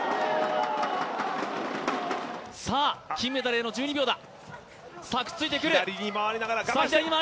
さあ、金メダルへの１２秒だ。